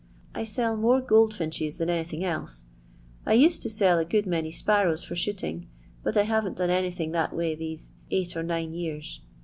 I sell goldfinchai than anything else. I used to good many sparrows for shooting, but I 'C dona anything that way these eight or fwrs.